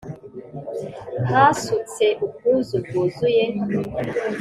Hasutse ubwuzu byuzuye,